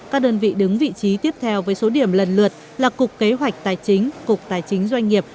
các đơn vị đứng vị trí tiếp theo với số điểm lần lượt là cục kế hoạch tài chính cục tài chính doanh nghiệp